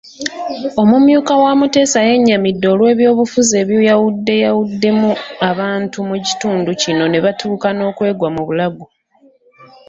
Omumyuka wa Muteesa yennyamidde olw'ebyobufuzi ebiyawuddeyawuddemu abantu mu kitundu kino nebatuuka n'okwegwa mu bulago.